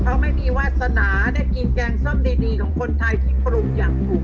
เพราะไม่มีวาสนาได้กินแกงส้มดีของคนไทยที่ปรุงอย่างถูก